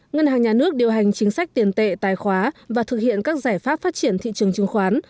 ngân hàng nhà nước điều hành chính sách tiền tệ tài khóa và thực hiện các giải pháp phát triển thị trường chứng khoán